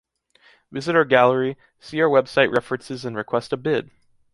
Visit our gallery, see our website references and request a bid!